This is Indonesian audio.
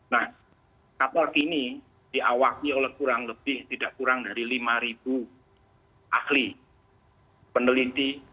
nah kapal kini diawaki oleh kurang lebih tidak kurang dari lima ahli peneliti